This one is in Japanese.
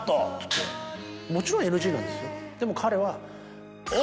もちろんＮＧなんですよでも彼は。